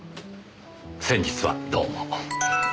先日はどうも。